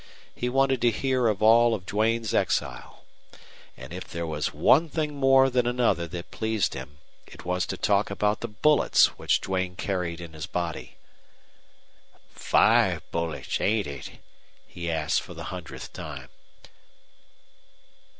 He wanted to hear of all of Duane's exile. And if there was one thing more than another that pleased him it was to talk about the bullets which Duane carried in his body. "Five bullets, ain't it?" he asked, for the hundredth time.